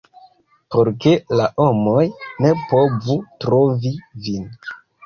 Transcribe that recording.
por ke la homoj ne povu trovi vin.